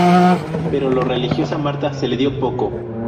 Pero lo religioso a Marta se le dio poco.